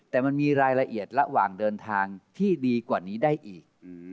แต่มันมีรายละเอียดระหว่างเดินทางที่ดีกว่านี้ได้อีก